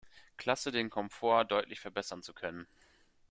Klasse den Komfort deutlich verbessern zu können.